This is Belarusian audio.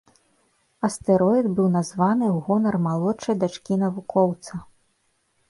Астэроід быў названы ў гонар малодшай дачкі навукоўца.